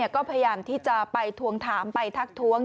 ก็พยายามที่จะไปทวงถามไปทักท้วง